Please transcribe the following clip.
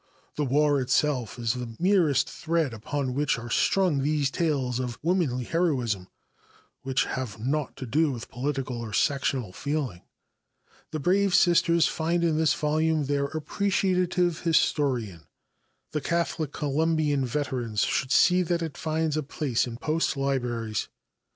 The war itself is the merest thread upon which are strung these tales of womanly heroism which have naught to do with political or sectional feeling. The brave Sisters find in this volume their appreciative historian. The Catholic Columbian "veterans should see that it finds a place in post libraries."